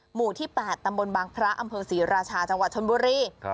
หมู่ที่๘ตำบลบางพระอำเภอศรีราชาจังหวัดชนบุรี